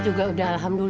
bagaimana ini dapat endok